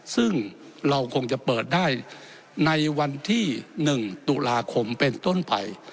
ซึ่งเราคงจะเปิดได้ในวันที่๑ตุลาคมเป็นต้นไป